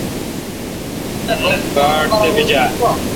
اون باڑ تپیجال۔